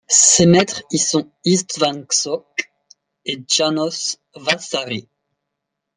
Ses maîtres y sont István Csók et János Vaszary.